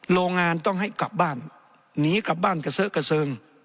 โรงงานต้องให้กลับบ้านหนีกลับบ้านเกษอกเกษิง